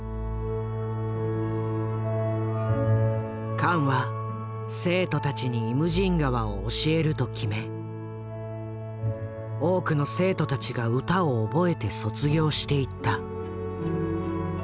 カンは生徒たちに「イムジン河」を教えると決め多くの生徒たちが歌を覚えて卒業していった。